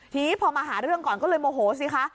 ทีนี้พอมาหาเรื่องก่อนก็เลยโมโหสิคะ